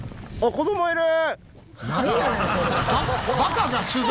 「子供いる！」。